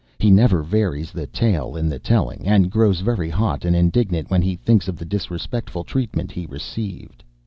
He never varies the tale in the telling, and grows very hot and indignant when he thinks of the disrespectful treatment he received.